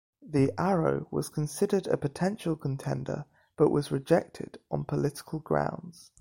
The Arrow was considered a potential contender, but was rejected on political grounds.